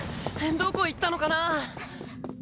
どこ行ったのかな？